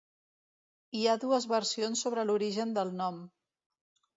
Hi ha dues versions sobre l'origen del nom.